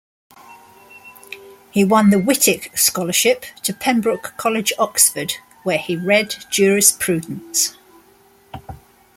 He won the "Wightwick Scholarship" to Pembroke College, Oxford, where he read Jurisprudence.